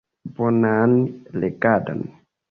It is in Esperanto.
Bonan legadon!